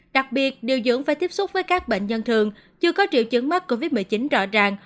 đặc biệt điều dưỡng phải tiếp xúc với các bệnh dân thường chưa có triệu chứng mắc covid một mươi chín rõ ràng